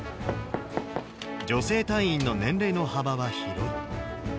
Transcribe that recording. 女性隊員の年齢の幅は広い。